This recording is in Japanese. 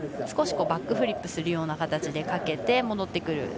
少しバックフリップするような形でかけて戻ってくる。